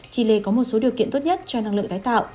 chile có một số điều kiện tốt nhất cho năng lượng tái tạo